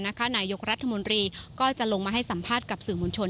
นายกรัฐมนตรีก็จะลงมาให้สัมภาษณ์กับสื่อมวลชน